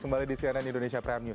kembali di cnn indonesia prime news